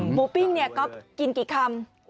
หมูปิ้งกินกี่คำ